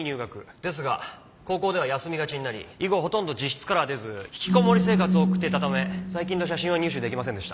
ですが高校では休みがちになり以後ほとんど自室からは出ず引きこもり生活を送っていたため最近の写真は入手できませんでした。